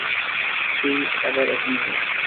তুই আবার এখানে কেন?